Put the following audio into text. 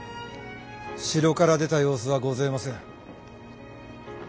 城から出た様子はごぜません。